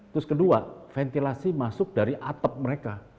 terus kedua ventilasi masuk dari atap mereka